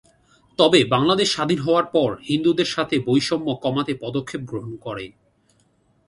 তবে, বাংলাদেশ স্বাধীন হওয়ার পর হিন্দুদের সাথে বৈষম্য কমাতে পদক্ষেপ গ্রহণ করে।